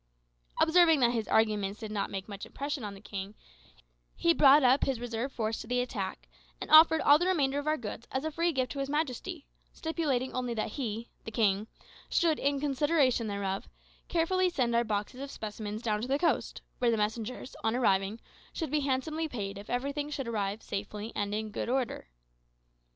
Observing that his arguments did not make much impression on the king, he brought up his reserve force to the attack, and offered all the remainder of our goods as a free gift to his majesty, stipulating only that he (the king) should, in consideration thereof, carefully send our boxes of specimens down to the coast, where the messengers, on arriving, should be handsomely paid if everything should arrive safely and in good order.